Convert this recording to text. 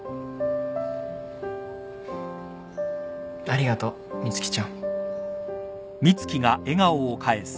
ありがとう美月ちゃん。